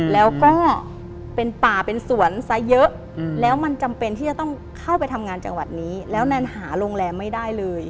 แล้วก็เป็นป่าเป็นสวนซะเยอะแล้วมันจำเป็นที่จะต้องเข้าไปทำงานจังหวัดนี้แล้วแนนหาโรงแรมไม่ได้เลย